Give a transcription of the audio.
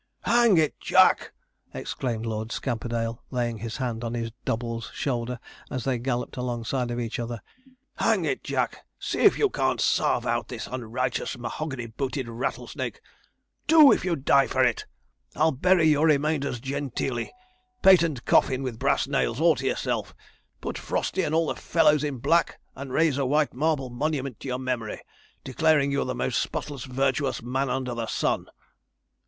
'Hang it, Jack,' exclaimed Lord Scamperdale, laying his hand on his double's shoulder, as they galloped alongside of each other, 'Hang it, Jack, see if you can't sarve out this unrighteous, mahogany booted, rattle snake. Do if you die for it! I'll bury your remainders genteelly patent coffin with brass nails, all to yourself put Frosty and all the fellows in black, and raise a white marble monument to your memory, declaring you were the most spotless virtuous man under the sun.'